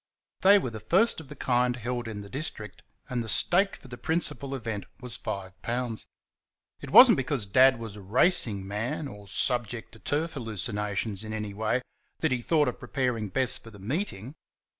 They were the first of the kind held in the district, and the stake for the principal event was five pounds. It was n't because Dad was a racing man or subject to turf hallucinations in any way that he thought of preparing Bess for the meeting.